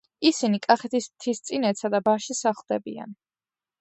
ისინი კახეთის მთისწინეთსა და ბარში სახლდებიან.